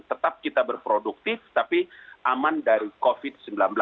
tetap kita berproduktif tapi aman dari covid sembilan belas